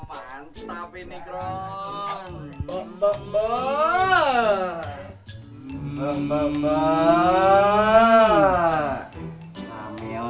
maafkan kami tolong hampir juga halnya sekarang cinemre